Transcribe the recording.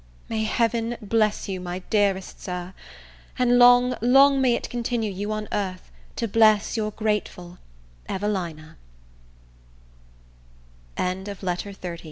May Heaven bless you, my dearest Sir! and long, long may it continue you on earth, to bless Your grateful EVELINA LETTER XXXI LADY HOWARD TO S